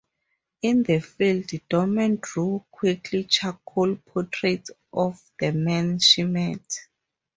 In the field, Dorman drew quick charcoal portraits of the men she met.